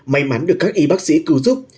may mắn được các y bác sĩ cứu giúp